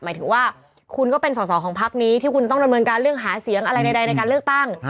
หมายถึงว่าคุณก็เป็นสอสอของพักนี้ที่คุณจะต้องดำเนินการเรื่องหาเสียงอะไรใดในการเลือกตั้ง